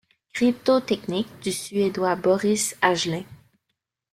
Cryptoteknik du suédois Boris Hagelin.